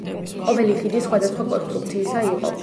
ყოველი ხიდი სხვავასხვა კონსტრუქციისა იყო.